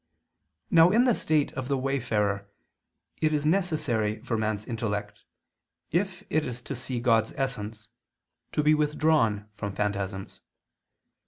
Now in the state of the wayfarer it is necessary for man's intellect, if it see God's essence, to be withdrawn from phantasms.